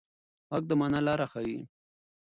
غږ د مانا لاره ښيي.